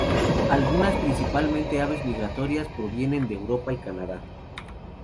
Algunas, principalmente aves migratorias, provienen de Europa y Canadá.